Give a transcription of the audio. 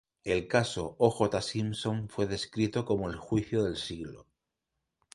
El caso O. J. Simpson fue descrito como el "juicio del siglo.